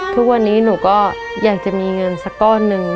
ทุกวันนี้หนูก็อยากจะมีเงินสักก้อนหนึ่ง